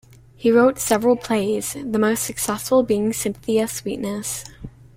He wrote several plays, the most successful being "Cynthia Sweetness".